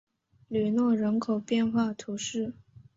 吕诺人口变化图示